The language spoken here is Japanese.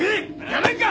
やめんか！